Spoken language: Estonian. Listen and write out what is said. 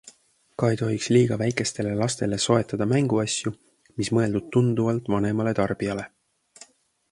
Ka ei tohiks liiga väikestele lastele soetada mänguasju, mis mõeldud tunduvalt vanemale tarbijale.